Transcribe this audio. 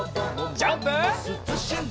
ジャンプ！